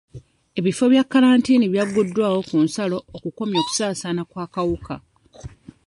Ebifo bya kkalantiini byagguddwawo ku nsalo okukomya okusaasaana kw'akawuka.